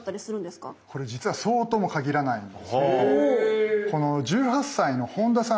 これ実はそうとも限らないんですよね。